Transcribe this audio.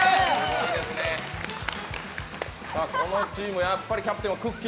このチーム、やっぱりキャプテンはくっきー！